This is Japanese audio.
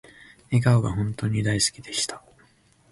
笑顔が本当に大好きでした